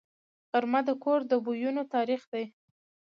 غرمه د کور د بویونو تاریخ دی